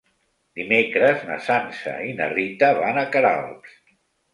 Dimecres na Sança i na Rita van a Queralbs.